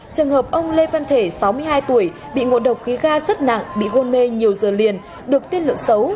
trường hợp ông lê văn thể sáu mươi hai tuổi bị ngộ độc khí ga rất nặng bị hôn mê nhiều giờ liền được tiên lượng xấu